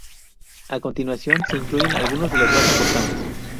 A continuación, se incluyen algunos de los más importantes.